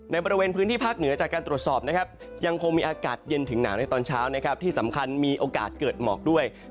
บริเวณพื้นที่ภาคเหนือจากการตรวจสอบนะครับยังคงมีอากาศเย็นถึงหนาวในตอนเช้านะครับที่สำคัญมีโอกาสเกิดหมอกด้วย